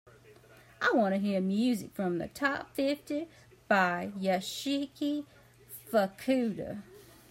I want to hear music from the top fifty by Yasuhiko Fukuda